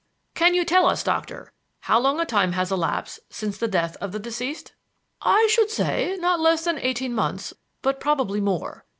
"Can you tell us, Doctor, how long a time has elapsed since the death of the deceased?" "I should say not less than eighteen months, but probably more.